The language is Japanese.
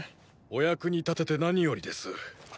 お役に立てて何よりです。